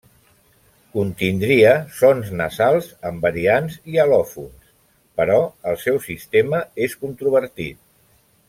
Contindria sons nasals amb variants i al·lòfons, però el seu sistema és controvertit.